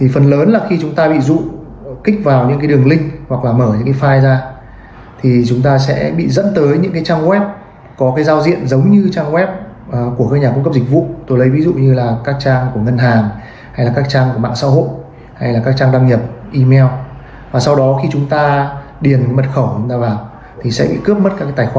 và sau đó khi chúng ta điền mật khẩu của chúng ta vào thì sẽ bị cướp mất các tài khoản